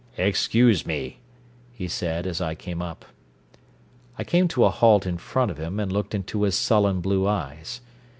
"Excuse me," he said as I came up. I came to a halt in front of him and looked into his sullen blue eyes.